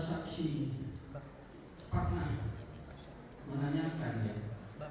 bahwa perpulang kamu jual dari yang apa